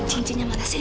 cincinnya mana siti